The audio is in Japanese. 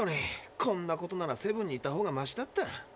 こんなことならセブンにいたほうがましだった。